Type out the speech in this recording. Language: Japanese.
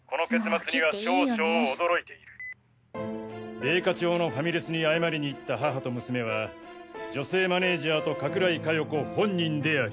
米花町のファミレスに謝りに行った母と娘は女性マネージャーと加倉井加代子本人であり。